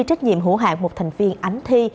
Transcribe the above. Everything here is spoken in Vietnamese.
trách nhiệm hữu hạng một thành viên ánh thi